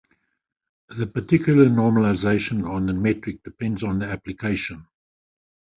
The particular normalization on the metric depends on the application.